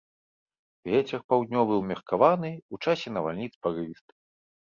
Вецер паўднёвы ўмеркаваны, у часе навальніц парывісты.